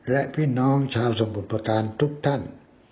และพี่น้องชาวสมุทรประการทุกท่าน